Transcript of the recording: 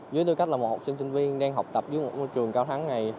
dưới tư cách là một học sinh sinh viên đang học tập dưới một trường cao thắng này